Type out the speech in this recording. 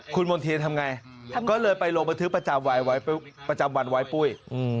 คุณมนติธรรมไงก็เลยไปโรงพยาบาททึกประจำวันไว้ปุ้ยอืม